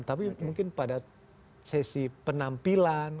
tapi mungkin pada sesi penampilan